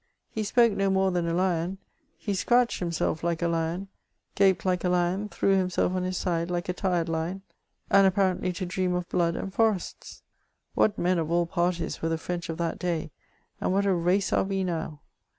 He spoli no more than a lion ; he scratdied himself like a liozt, gspe like a lion, threw himself on his side like a tired lion, ani apparently to dream of hlood and forests. What men of all parties were the French of that day, and what a race are we now